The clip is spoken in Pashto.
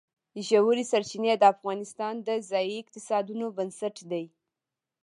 ژورې سرچینې د افغانستان د ځایي اقتصادونو بنسټ دی.